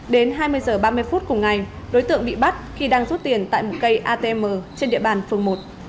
đến hai mươi h ba mươi phút cùng ngày đối tượng bị bắt khi đang rút tiền tại một cây atm trên địa bàn phường một